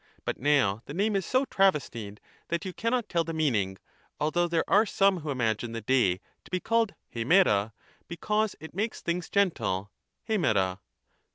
But now the name is so travestied that you cannot tell the meaning, although there are some who imagine the day to be called ^/it'pa because it makes things gentle { qiiepa).